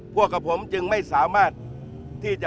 พวกกับผมจึงไม่สามารถที่จะ